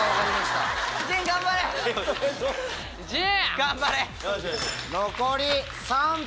頑張れ！